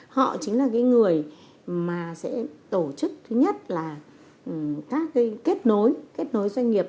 họ chính là cái người mà sẽ tổ chức thứ nhất là các cái kết nối kết nối doanh nghiệp